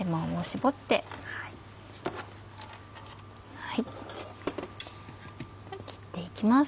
切って行きます。